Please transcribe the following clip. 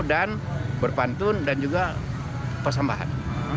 dan berpantun dan juga pesambahan